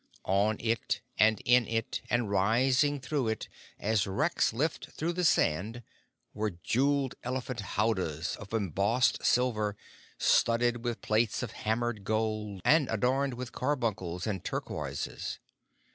On it and in it, and rising through it, as wrecks lift through the sand, were jeweled elephant howdahs of embossed silver, studded with plates of hammered gold, and adorned with carbuncles and turquoises.